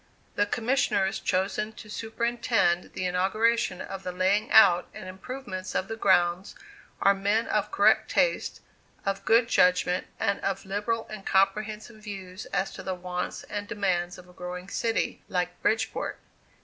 The commissioners chosen to superintend the inauguration of the laying out and improvements of the grounds are men of correct taste, of good judgment and of liberal and comprehensive views as to the wants and demands of a growing city like Bridgeport.